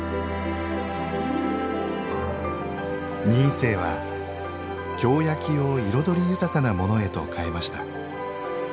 仁清は、京焼を彩り豊かなものへと変えました。